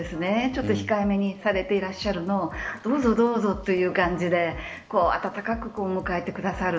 ちょっと控えめにされていらっしゃるのをどうぞどうぞという感じで温かく迎えてくださる。